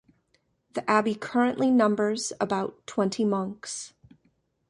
The abbey currently numbers about twenty monks.